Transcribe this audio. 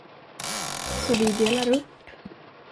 Så vi delar upp.